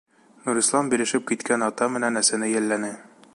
Нурислам бирешеп киткән ата менән әсәне йәлләне.